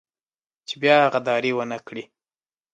چې بيا غداري ونه کړي.